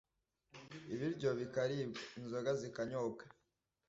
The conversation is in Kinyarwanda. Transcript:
ibiryo bikaribwa, inzoga zikanyobwa.